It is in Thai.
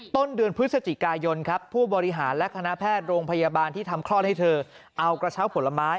ต้นเดือนพฤศจิกายนครับผู้บริหารและคณะแพทย์โรงพยาบาลที่ทำคลอดให้เธอเอากระเช้าผลไม้